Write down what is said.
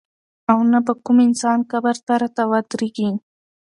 او نه به کوم انسان قبر ته راته ودرېږي.